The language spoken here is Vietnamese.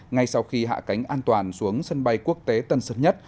ngay sau khi hạ cánh an toàn xuống sân bay quốc tế tân sơn nhất